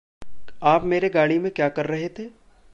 आप मेरे गाड़ी में क्या कर रहे थे?